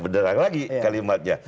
berderang lagi kalimatnya